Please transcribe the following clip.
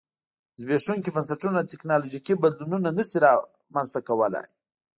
زبېښونکي بنسټونه ټکنالوژیکي بدلونونه نه شي رامنځته کولای